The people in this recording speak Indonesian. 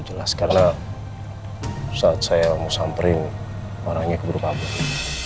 jelas karena saat saya mau samperin orangnya keburu kabur